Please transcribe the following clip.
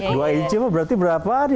dua inci berarti berapa hari